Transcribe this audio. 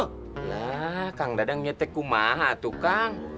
lah kang dadang nyetek kumaha tuh kang